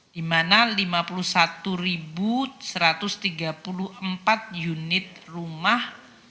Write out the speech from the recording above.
di mana lima puluh satu satu ratus tiga puluh empat unit rumah